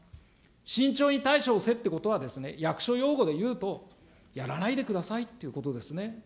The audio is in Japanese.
慎重に対処をせということは役所用語でいうと、やらないでくださいってことですね。